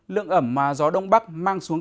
lượng ẩm mà gió đông bắc mang xuống